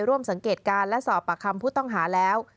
ร่วมสังเกตการณ์และสอบปากคำผู้ต้องหาแล้ว